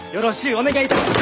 お願いいたします！